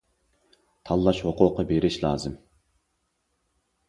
تاللاش ھوقۇقى بېرىش لازىم.